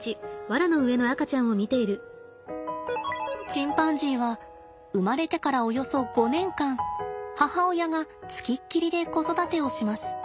チンパンジーは生まれてからおよそ５年間母親がつきっきりで子育てをします。